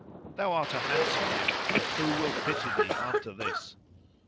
Thou art a handsome youth, but who will pity thee after this?"